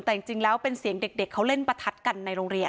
แต่จริงแล้วเป็นเสียงเด็กเขาเล่นประทัดกันในโรงเรียน